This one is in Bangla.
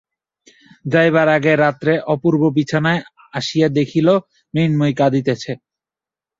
যাইবার আগের রাত্রে অপূর্ব বিছানায় আসিয়া দেখিল, মৃন্ময়ী কাঁদিতেছে।